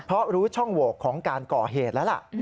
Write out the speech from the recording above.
เพราะรู้ช่องโหวกของการก่อเหตุแล้วล่ะ